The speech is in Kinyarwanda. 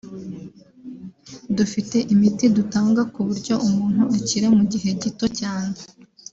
dufite imiti dutanga ku buryo umuntu akira mu gihe gito cyane”